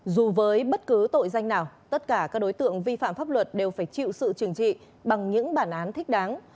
dù với bất cứ tội danh nào tất cả các đối tượng vi phạm pháp luật đều phải chịu sự trừng trị bằng những bản án thích đáng